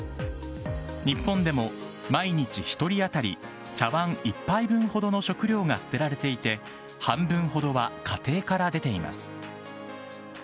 日本でも、毎日１人当たり茶わん１杯分ほどの食料が捨てられていて、半分ほどは家庭から出ています。